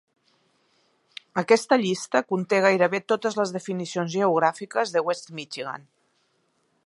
Aquesta llista conté gairebé totes les definicions geogràfiques de West Michigan.